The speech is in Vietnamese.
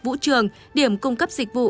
vũ trường điểm cung cấp dịch vụ